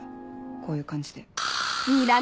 こういう感じで。